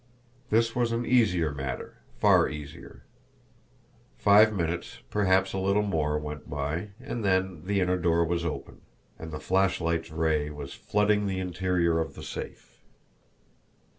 This was an easier matter far easier. Five minutes, perhaps a little more, went by and then the inner door was open, and the flashlight's ray was flooding the interior of the safe.